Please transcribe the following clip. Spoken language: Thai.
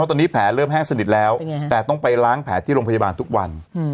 ตอนนี้แผลเริ่มแห้งสนิทแล้วแต่ต้องไปล้างแผลที่โรงพยาบาลทุกวัน